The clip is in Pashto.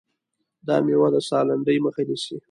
دا مېوه د ساه لنډۍ مخه نیسي.